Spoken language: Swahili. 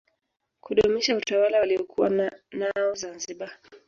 kudumisha utawala waliokuwa nao zanziba